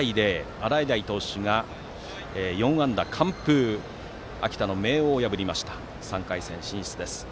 洗平投手が４安打完封で秋田の明桜を破りまして３回戦進出です。